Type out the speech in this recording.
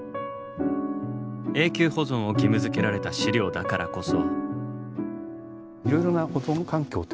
永久保存を義務づけられた資料だからこそ。